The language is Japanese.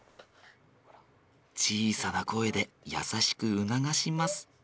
小さな声で優しくうながします。